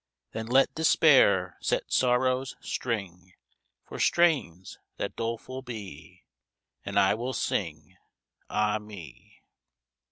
Then let despair set sorrow's string, For strains that doleful be; And I will sing, Ah me!